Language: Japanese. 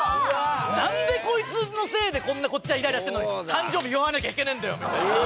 なんでこいつのせいでこんなこっちはイライラしてるのに誕生日祝わなきゃいけねえんだよみたいな。